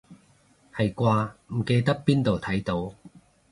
係啩，唔記得邊度睇到